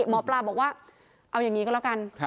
หมอปลาบอกว่าเอาอย่างนี้ก็แล้วกัน